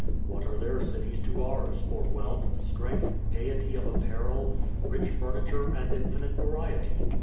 What are their cities to ours, for wealth, strength, gaiety of apparel, rich furniture, and infinite variety?